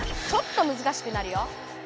ちょっとむずかしくなるよ。